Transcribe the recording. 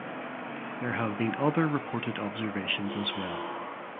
There have been other reported observations as well.